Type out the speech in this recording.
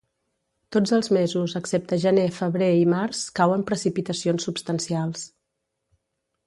Tots els mesos, excepte gener, febrer i març, cauen precipitacions substancials.